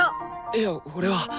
いや俺は。